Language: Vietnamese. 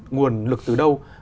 nguồn lực từ đâu